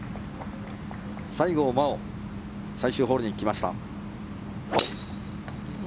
西郷真央最終ホールに来ました。